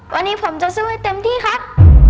วันนี้ผมจะสู้ให้เต็มที่ครับ